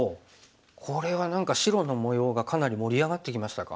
これは何か白の模様がかなり盛り上がってきましたか？